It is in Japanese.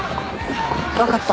分かった。